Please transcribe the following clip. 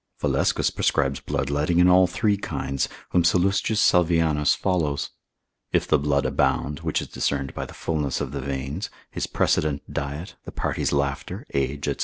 Valescus prescribes bloodletting in all three kinds, whom Sallust. Salvian follows. If the blood abound, which is discerned by the fullness of the veins, his precedent diet, the party's laughter, age, &c.